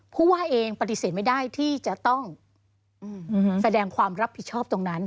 ผู้ว่าเองปฏิเสธไม่ได้ที่จะต้องแสดงความรับผิดชอบตรงนั้น